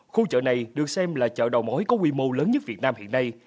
khu chợ này được xem là chợ đầu mối có quy mô lớn nhất việt nam hiện nay